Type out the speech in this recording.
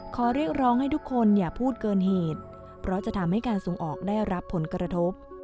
ขอเรียกร้องให้ทุกคนอย่าพูดเกินเหตุเพราะจะทำให้การส่งออกได้รับผลกระทบ